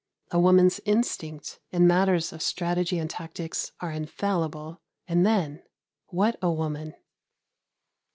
A woman's instinct in matters of strategy and tactics are infallible; and then what a woman!